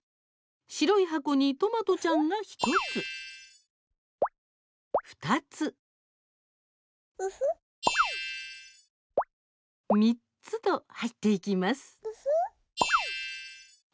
白い箱にトマトちゃんが１つ２つ３つと、入っていきます。